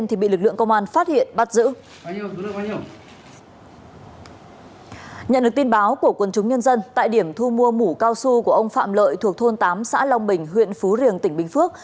thời điểm thu mua mũ cao su của ông phạm lợi thuộc thôn tám xã long bình huyện phú riềng tỉnh bình phước